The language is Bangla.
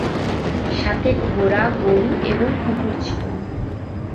সাথে ঘোড়া, গরু এবং কুকুর ছিলো।